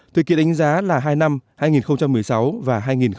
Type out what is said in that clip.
thuế kỳ đánh giá là hai năm hai nghìn một mươi sáu và hai nghìn một mươi bảy